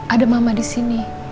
ada mama di sini